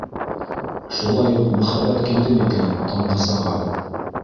Шулай уҡ мөхәббәт килде микән Таңдысаға?!